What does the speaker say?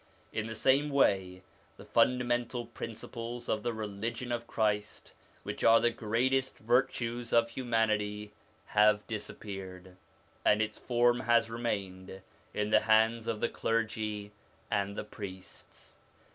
In the same way the funda mental principles of the religion of Christ, which are the greatest virtues of humanity, have disappeared, and its form has remained in the hands of the clergy and the priests.